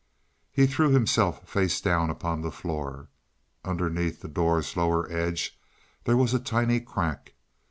He threw himself face down upon the floor. Underneath the door's lower edge there was a tiny crack.